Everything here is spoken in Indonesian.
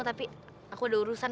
tapi aku ada urusan